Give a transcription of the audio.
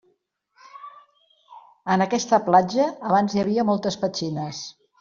En aquesta platja, abans hi havia moltes petxines.